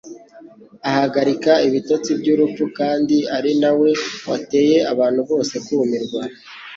agahagarika ibitotsi by'urupfu, kandi ari na we wateye abantu bose kumirwa